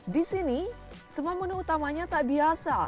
di sini semua menu utamanya tak biasa